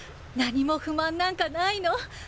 何も不満なんかないの。